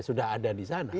sudah ada di sana